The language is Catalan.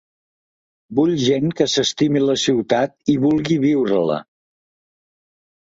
Vull gent que s’estimi la ciutat i vulgui viure-la.